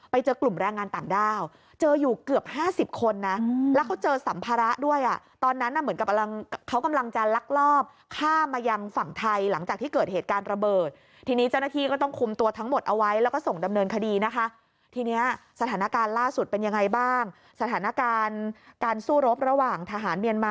ไปเจอกลุ่มแรงงานต่างด้าวเจออยู่เกือบห้าสิบคนนะแล้วเขาเจอสัมภาระด้วยอ่ะตอนนั้นน่ะเหมือนกับกำลังเขากำลังจะลักลอบข้ามมายังฝั่งไทยหลังจากที่เกิดเหตุการณ์ระเบิดทีนี้เจ้าหน้าที่ก็ต้องคุมตัวทั้งหมดเอาไว้แล้วก็ส่งดำเนินคดีนะคะทีนี้สถานการณ์ล่าสุดเป็นยังไงบ้างสถานการณ์การสู้รบระหว่างทหารเมียนมา